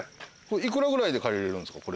幾らぐらいで借りれるんすか？